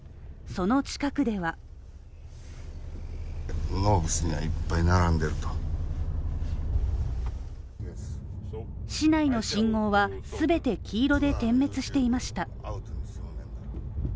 その近くでは市内の信号は全て黄色で点滅していました。